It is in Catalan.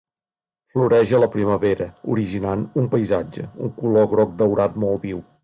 Floreix a la primavera originant un paisatge un color groc daurat molt viu.